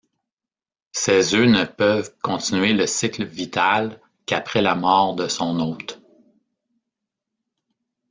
Ses œufs ne peuvent continuer le cycle vital qu'après la mort de son hôte.